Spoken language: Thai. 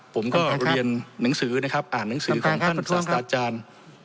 ผมก็เรียนหนังสือนะครับอ่านหนังสือของท่านศาสตราจารย์